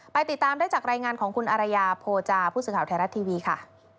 ติดตามได้จากรายงานของคุณอารยาโพจาผู้สื่อข่าวไทยรัฐทีวีค่ะ